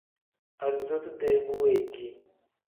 Arizotu-dee bu weegii.